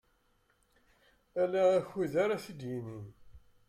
Ala akud ara t-id-yinin.